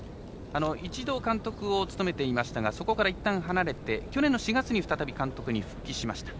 １度監督を務めていましたがそこからいったん離れて去年の４月に再び監督に復帰しました。